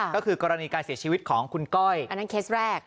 ก็คือกรณีการเสียชีวิตของคุณก้อยอันนั้นเคสแรก